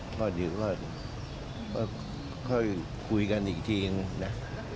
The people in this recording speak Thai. พ่อเจ๋ก็ค่อยคุยกันอีกทีเองนะ